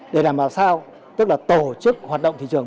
để làm sao tổ chức hoạt động thị trường